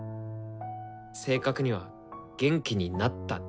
正確には「元気になった」だけどね。